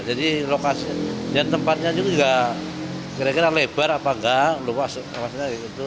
jadi tempatnya juga kira kira lebar apa enggak luasnya gitu